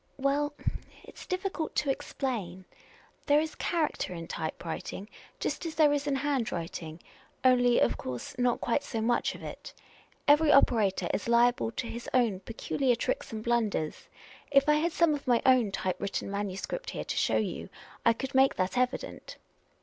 " Well, it is difficult to explain. There is character in The Unprofessional Detective 3 3 tj''pewriting, just as there is in handwriting, only, of course, not quite so much of it. Every operator is liable to his own peculiar tricks and blunders. If I had some of my own type written manuscript here to show you, I could soon make that evident."